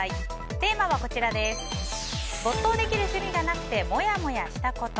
テーマは、没頭できる趣味がなくてモヤモヤしたこと。